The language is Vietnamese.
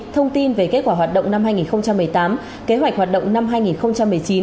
thông tin về kết quả hoạt động năm hai nghìn một mươi tám kế hoạch hoạt động năm hai nghìn một mươi chín